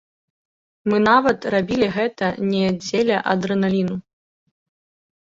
Мы нават рабілі гэта не дзеля адрэналіну.